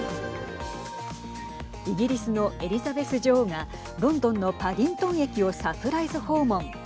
イギリスのエリザベス女王がロンドンのパディントン駅をサプライズ訪問。